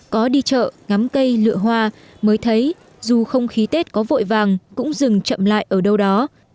có đi chợ ngắm cây lựa hoa mới thấy dù không khí tết có vội vàng cũng dừng chậm lại ở đâu đó